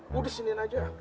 buat disini aja